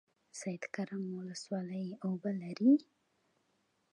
سید کرم ولسوالۍ اوبه لري؟